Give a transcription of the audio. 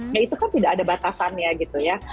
nah itu kan tidak ada batasan ya gitu ya